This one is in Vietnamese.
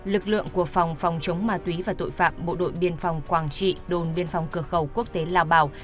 lực lượng của phòng phòng chống ma túy và tội phạm bộ đội biên phòng quảng trị đồn biên phòng cửa khẩu quốc tế lào bảo